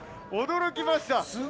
驚きました。